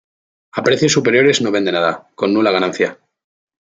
A precios superiores, no vende nada, con nula ganancia.